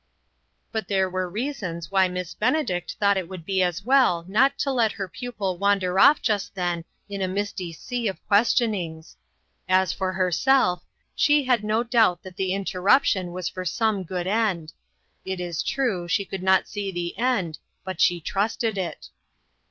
But there were reasons why Miss Bene dict thought it would be as well not to let her pupil wander off just then on a misty sea of questionings. As for herself, she had no doubt that the interruption was for some good end ; it is true, she could not see the end, but she trusted it.